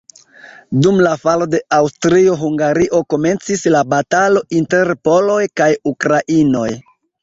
Dum la falo de Aŭstrio-Hungario komencis la batalo inter poloj kaj ukrainoj.